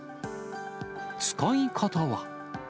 使い方は。